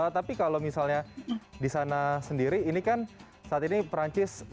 tapi kalau misalkan di sana sendiri ini kan saat ini perancis masih lockdown